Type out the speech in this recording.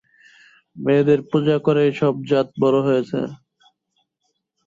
মেয়েদের পূজা করেই সব জাত বড় হয়েছে।